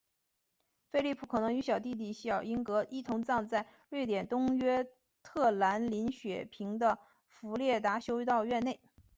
菲里普可能与弟弟小英格一同葬在瑞典东约特兰林雪坪的弗列达修道院内。